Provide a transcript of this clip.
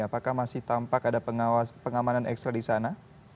apakah masih tampak ada pengamanan ekstra di sana